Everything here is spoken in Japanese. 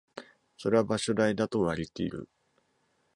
それは場所代だと割りきる